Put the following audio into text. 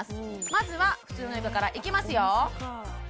まずは普通の床からいきますよ